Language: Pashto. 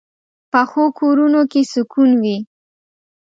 پخو کورونو کې سکون وي